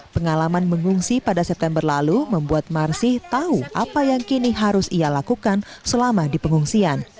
pengalaman mengungsi pada september lalu membuat marsi tahu apa yang kini harus ia lakukan selama di pengungsian